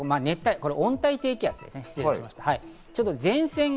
これ温帯低気圧です、失礼いたしました。